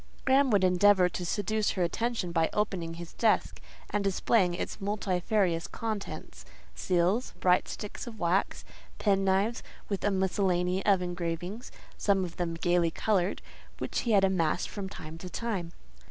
Graham would endeavour to seduce her attention by opening his desk and displaying its multifarious contents: seals, bright sticks of wax, pen knives, with a miscellany of engravings—some of them gaily coloured—which he had amassed from time to time.